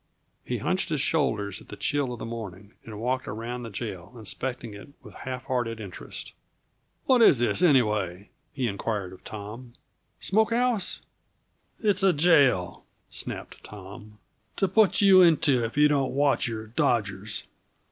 He hunched his shoulders at the chill of the morning and walked around the jail, inspecting it with half hearted interest. "What is this, anyway?" he inquired of Tom. "Smoke house?" "It's a jail," snapped Tom. "To put you into if you don't watch your dodgers.